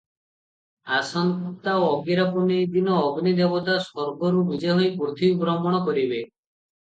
ଆସନ୍ତା ଅଗିରାପୂନେଇ ଦିନ ଅଗ୍ନି ଦେବତା ସ୍ୱର୍ଗରୁ ବିଜେ ହୋଇ ପୃଥିବୀ ଭ୍ରମଣ କରିବେ ।